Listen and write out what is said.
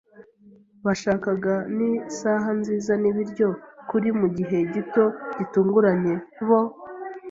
bashakaga ni isaha nziza n'ibiryo; kuri, mugihe gito gitunguranye, bo